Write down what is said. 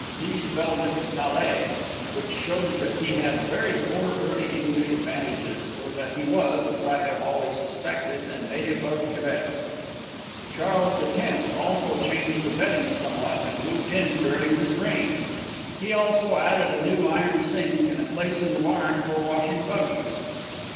He spelled it "palais," which shows that he had very poor early English advantages, or that he was, as I have always suspected, a native of Quebec. Charles X also changed the bedding somewhat, and moved in during his reign. He also added a new iron sink and a place in the barn for washing buggies.